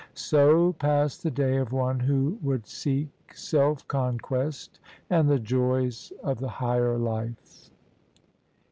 So passed the day of one who would seek self conquest and the joys of the higher life.